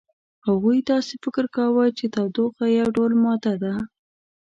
هغوی داسې فکر کاوه چې تودوخه یو ډول ماده ده.